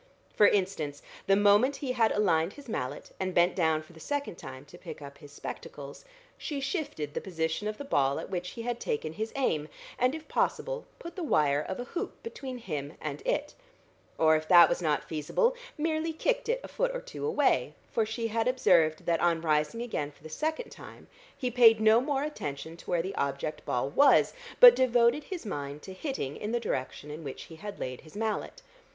For instance, the moment he had aligned his mallet, and bent down for the second time to pick up his spectacles, she shifted the position of the ball at which he had taken his aim, and if possible, put the wire of a hoop between him and it, or if that was not feasible, merely kicked it a foot or two away, for she had observed that on rising again for the second time he paid no more attention to where the object ball was but devoted his mind to hitting in the direction in which he had laid his mallet.